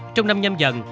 trong năm nhâm dần